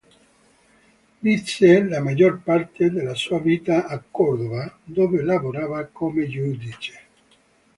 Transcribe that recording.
Visse la maggior parte della sua vita a Córdoba, dove lavorava come giudice.